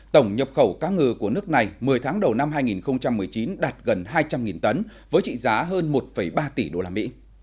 tổng nhập khẩu cá ngừ của nước này một mươi tháng đầu năm hai nghìn một mươi chín đạt gần hai trăm linh tấn với trị giá hơn một ba tỷ đô la mỹ